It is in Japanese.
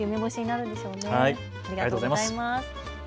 ありがとうございます。